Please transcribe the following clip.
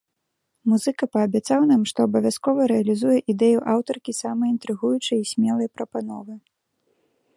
Музыка паабяцаў нам, што абавязкова рэалізуе ідэю аўтаркі самай інтрыгуючай і смелай прапановы.